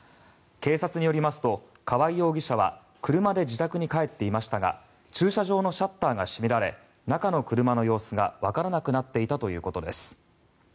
警察によりますと、川合容疑者は車で自宅に帰っていましたが駐車場のシャッターが閉められ中の車の様子がわからなくなっていたということです。